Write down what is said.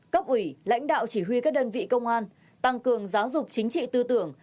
cấp ủy lãnh đạo chỉ huy các đơn vị công an tăng cường giáo dục chính trị tư tưởng